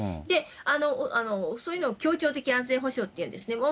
で、そういうのを協調的安全保障っていうんですね。